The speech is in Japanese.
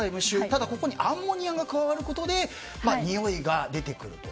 ただ、ここにアンモニアが加わることでにおいが出てくると。